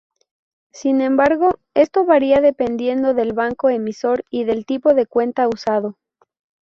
Sin embargo, esto varía dependiendo del banco emisor y del tipo de cuenta usado.